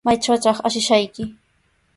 ¿Maytrawtaq ashishayki?